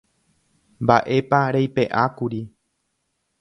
Mba'épa reipe'ákuri.